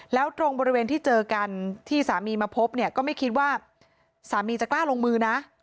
แล้วตรงบริเวณที่เจอกันที่สามีมาพบเนี่ยก็ไม่คิดว่าสามีจะกล้าลงมือนะ